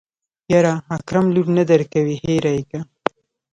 يره اکرم لور نه درکوي هېره يې که.